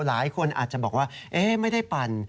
หลายคนอาจจะบอกว่าไม่ได้ปั่น